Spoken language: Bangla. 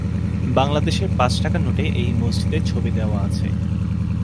বাংলাদেশের পাঁচ টাকার নোটে এই মসজিদের ছবি দেওয়া আছে।